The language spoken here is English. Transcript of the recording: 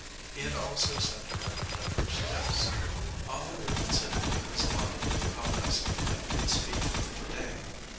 He had also sent her divers gifts. Often he considered in his mind how best he might get speech with the dame.